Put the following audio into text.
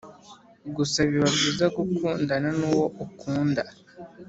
gusa biba byiza gukundana nuwo ukunda"